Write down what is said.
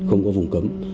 không có vùng cấm